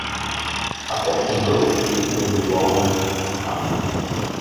Апошні быў абведзены дубовым парканам.